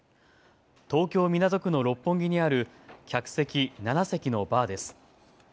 東京港区の六本木にある客席７席のバーです。